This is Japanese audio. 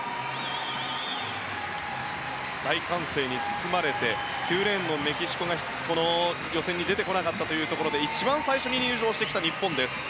大歓声に包まれて９レーンのメキシコがこの予選に出てこなかったというところで一番最初に入場してきた日本です。